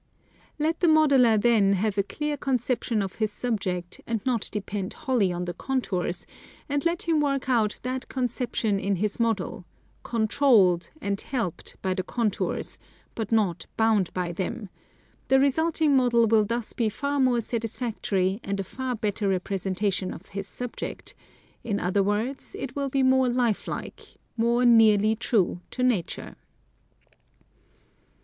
Let the modeler, then, have a clear conception of his subject and not depend wholly on the contours, and let him work out that conception in his model, " controlled " and helped by the contours, but not bound by them ; the result ing model will thus be far more satisfactory and a far better rep resentation of his subject, in other words, it will be more life like — more nearly true to nature.